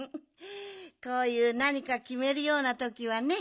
こういうなにかきめるようなときはね